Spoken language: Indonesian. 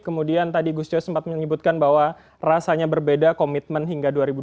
kemudian tadi gus coy sempat menyebutkan bahwa rasanya berbeda komitmen hingga dua ribu dua puluh